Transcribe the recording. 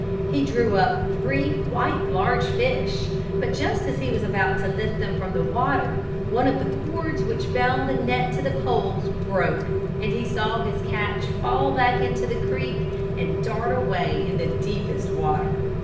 He drew up three quite large fish, but just as he was about to lift them from the water, one of the cords which bound the net to the poles broke and he saw his catch fall back into the creek and dart away in the deepest water.